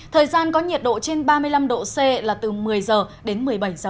thời gian có nhiệt độ trên ba mươi năm độ c là từ một mươi h đến một mươi bảy h